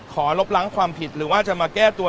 ลบล้างความผิดหรือว่าจะมาแก้ตัว